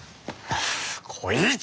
こいつ！